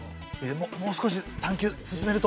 もう少し探究進めると。